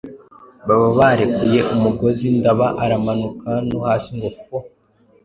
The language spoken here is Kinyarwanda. baba barekuye umugozi Ndaba aramanuka no hasi ngo po!